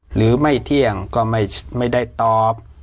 หรือไม่เที่ยงก็ไม่ได้ตอบ